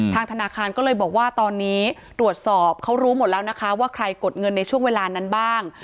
ธนาคารก็เลยบอกว่าตอนนี้ตรวจสอบเขารู้หมดแล้วนะคะว่าใครกดเงินในช่วงเวลานั้นบ้าง